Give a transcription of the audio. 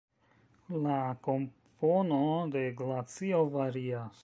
La kompono de glacio varias.